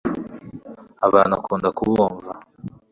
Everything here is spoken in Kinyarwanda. abantu akunda kubumva